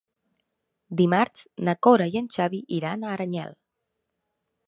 Dimarts na Cora i en Xavi iran a Aranyel.